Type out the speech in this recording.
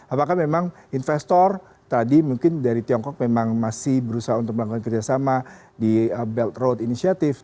apakah memang investor tadi mungkin dari tiongkok memang masih berusaha untuk melakukan kerjasama di belt road initiative